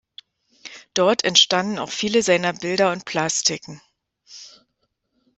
Dort entstanden auch viele seiner Bilder und Plastiken.